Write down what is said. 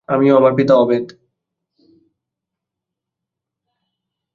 আমি ও আমার পিতা অভেদ।